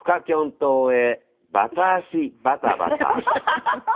島へバタ足バタバタ！」。